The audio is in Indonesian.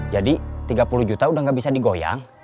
jadi tiga puluh juta udah nggak bisa digoyang